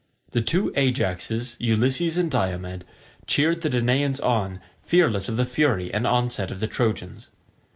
The two Ajaxes, Ulysses and Diomed, cheered the Danaans on, fearless of the fury and onset of the Trojans.